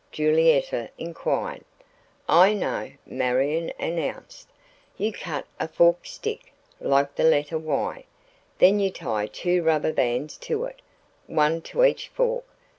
Julietta inquired. "I know," Marion announced. "You cut a forked stick, like the letter 'Y.' Then you tie two rubber bands to it, one to each fork.